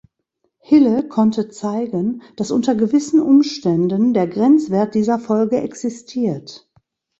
Hille konnte zeigen, dass unter gewissen Umständen der Grenzwert dieser Folge existiert.